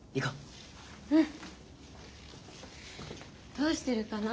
どうしてるかな？